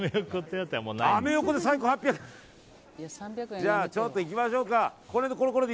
じゃあちょっといきましょうか。